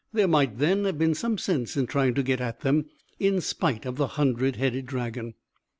There might then have been some sense in trying to get at them, in spite of the hundred headed dragon.